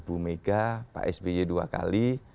bu mega pak sby dua kali